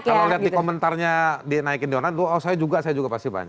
kalau lihat di komentarnya dinaikin di online tuh oh saya juga saya juga pasti banyak